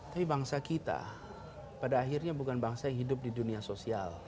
tapi bangsa kita pada akhirnya bukan bangsa yang hidup di dunia sosial